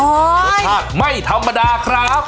โทษภาพไม่ธรรมดาครับ